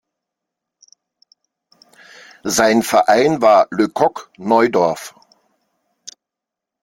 Sein Verein war "Le Coq Neudorf".